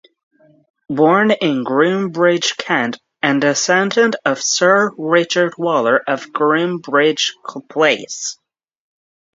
Born in Groombridge, Kent, and descendant of Sir Richard Waller of Groombridge Place.